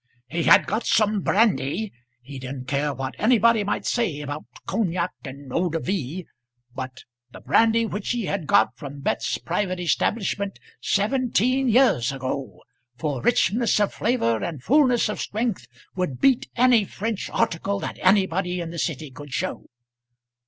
"He had got some brandy he didn't care what anybody might say about Cognac and eau de vie; but the brandy which he had got from Betts' private establishment seventeen years ago, for richness of flavour and fullness of strength, would beat any French article that anybody in the city could show.